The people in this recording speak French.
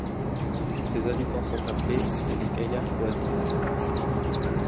Ses habitants sont appelés les Gaillardboisiens.